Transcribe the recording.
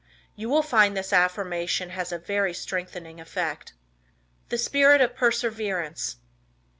You will find this affirmation has a very strengthening effect. The Spirit of Perseverance.